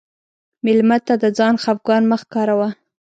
مېلمه ته د ځان خفګان مه ښکاروه.